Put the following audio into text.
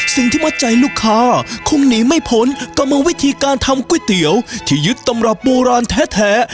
อ้อสิ่งที่มาใจลูกค้าคงหนีไม่พ้นกับมันวิธีการทำก๋วยเตี๋ยวที่ยึดตำรับโบราณแท้